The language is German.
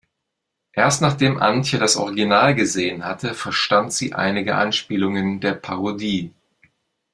Erst nachdem Antje das Original gesehen hatte, verstand sie einige Anspielungen der Parodie.